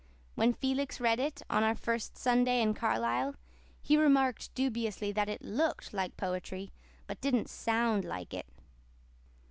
When Felix read it, on our first Sunday in Carlisle, he remarked dubiously that it LOOKED like poetry but didn't SOUND like it.